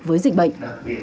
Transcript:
với dịch bệnh